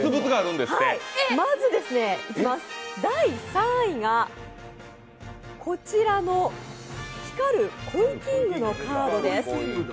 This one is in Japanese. まず、第３位がこちらのひかるコイキングのカードです。